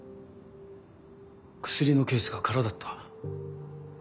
薬のケースが空だった。